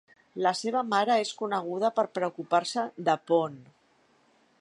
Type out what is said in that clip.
La seva mare és coneguda per preocupar-se de Poon.